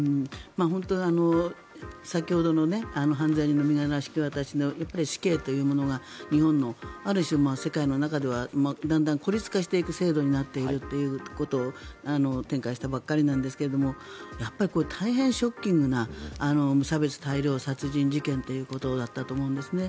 本当先ほどの犯罪人の身柄引き渡しのやっぱり死刑というものが日本のある種、世界の中ではだんだん孤立化していく制度になっているということを展開したばかりなんですが大変ショッキングな無差別大量殺人事件ということだったと思うんですね。